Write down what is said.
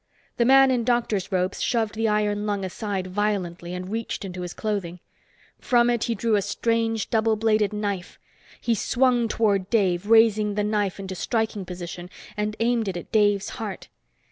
The man in doctor's robes shoved the iron lung aside violently and reached into his clothing. From it, he drew a strange, double bladed knife. He swung toward Dave, raising the knife into striking position and aiming it at Dave's heart.